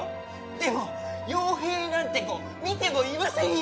でも陽平なんて子見てもいませんよ。